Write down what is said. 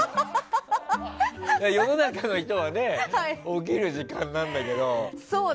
世の中の人は起きる時間なんだけど。